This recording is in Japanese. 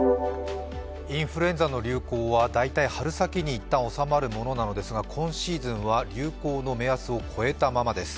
インフルエンザの流行は大体春先に一旦収まるものなのですが今シーズンは流行の目安を超えたままです。